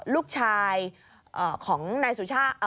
ลูกชายของนายสุชาติ